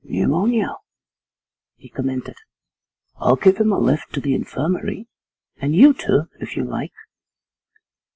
'Pneumonia,' he commented. 'I'll give him a lift to the infirmary, and you, too, if you like.